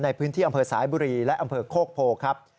ในพื้นที่อำเภอสายบุรีและอำเภอโคกโพครับ